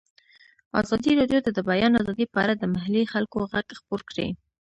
ازادي راډیو د د بیان آزادي په اړه د محلي خلکو غږ خپور کړی.